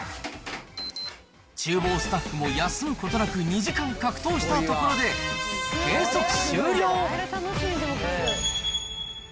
ちゅう房スタッフも休むことなく２時間格闘したところで、計測終了。